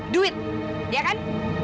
duit ya kan